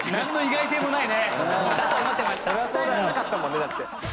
伝えられなかったもんねだって。